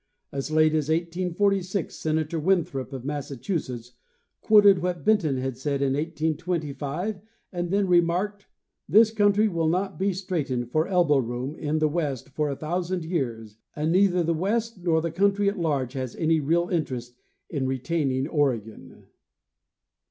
As late as 1846 Sena tor Winthrop, of Massachusetts, quoted what Benton had said in 1825, and then remarked: 'This country will not be strait ened for elbow room in the west for a thousand years, and neither the west nor the country at large has any real interest in retain ing Oregon."